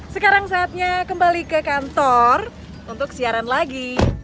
sekarang saatnya kembali ke kantor untuk siaran lagi